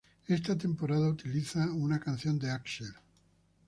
Esta temporada utiliza una canción de Axel.